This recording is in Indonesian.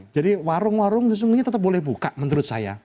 jadi warung warung sesungguhnya tetap boleh buka menurut saya